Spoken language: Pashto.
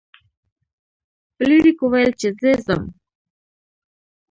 فلیریک وویل چې زه ځم.